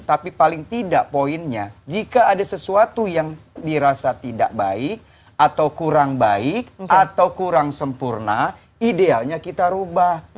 tapi paling tidak poinnya jika ada sesuatu yang dirasa tidak baik atau kurang baik atau kurang sempurna idealnya kita rubah